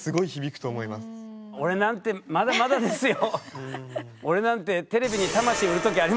俺なんてまだまだですよ。